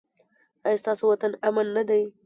ایا ستاسو وطن امن نه دی؟